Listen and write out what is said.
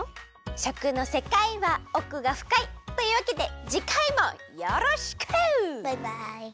しょくのせかいはおくがふかい！というわけでじかいもよろしく！バイバイ！